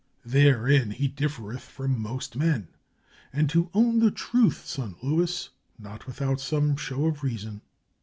Therein he diff ereth from most men — and to own the truth, son Luis, not without some show of reason.